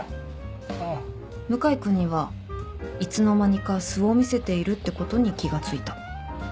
あぁ向井君にはいつの間にか素を見せているってことに気が付いた